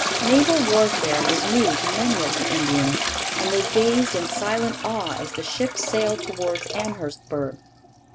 Naval warfare was new to many of the Indians, and they gazed in silent awe as the ships sailed towards Amherstburg.